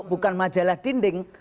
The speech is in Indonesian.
bukan majalah dinding